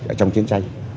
ở trong chiến tranh